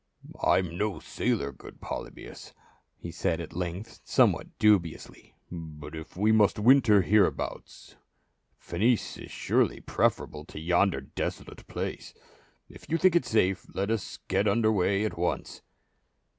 " I am no sailor, good Polybius," he said at length somewhat dubiously, " but if we must winter here abouts, Phenice is surely preferable to yonder desolate place. If you think it safe, let us get under way at once."